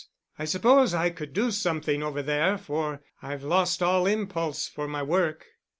I suppose I could do something over there for I've lost all impulse for my work.